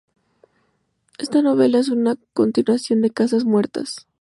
Esta novela es una continuación de Casas muertas.